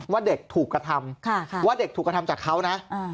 ว่าเด็กถูกกระทำว่าเด็กถูกกระทำจากเขานะ